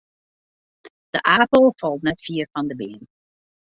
De apel falt net fier fan 'e beam.